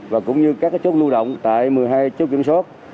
và cũng như các chốt lưu động tại một mươi hai chốt kiểm soát